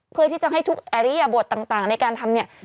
เพื่อที่จะให้ทุกอริยบทต่างในการทำเนี่ย